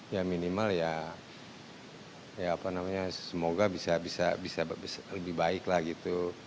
ya minimal ya ya apa namanya semoga bisa lebih baiklah gitu